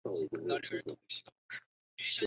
黎文敔是南定省春长府胶水县万禄社人。